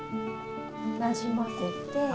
なじませて。